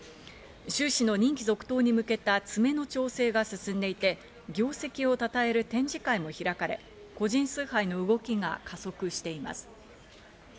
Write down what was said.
シュウ氏の任期続投に向けた詰めの調整が進んでいて、業績を讃える展示会も開かれ、個人崇拝の動きが加速しています。